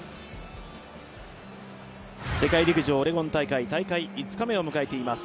世界陸上オレゴン大会大会５日目を迎えています。